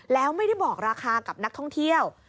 แล้วไม่ได้บอกราคากับนักท่องเที่ยว